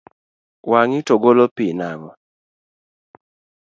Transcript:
Wang’i to golo pi nang’o?